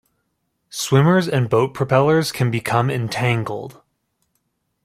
Swimmers and boat propellers can become entangled.